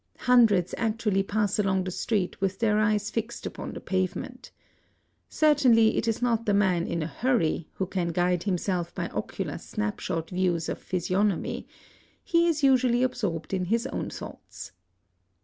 Hundreds actually pass along the street with their eyes fixed upon the pavement. Certainly it is not the man in a hurry who can guide himself by ocular snap shot views of physiognomy; he is usually absorbed in his own thoughts....